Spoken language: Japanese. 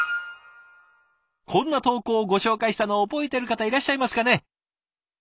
こんな投稿をご紹介したの覚えてる方いらっしゃいますかね？